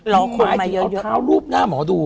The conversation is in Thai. เอาเท้ารูปหน้าเหมือนหมอดู